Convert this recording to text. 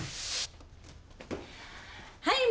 はい。